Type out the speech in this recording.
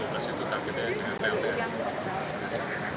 jadi tiga ratus dua belas itu tapi dengan pms